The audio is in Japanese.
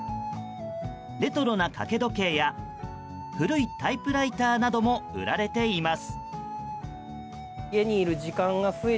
レトロな掛け時計や古いタイプライターなども売られています。